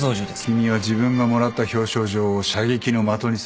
君は自分がもらった表彰状を射撃の的にするのか？